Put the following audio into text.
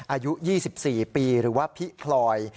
อายุ๒๔ปีหรือว่าพี่พลอย